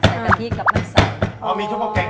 ใส่กะพริกกับไม่ใส่